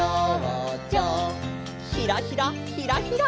ひらひらひらひら。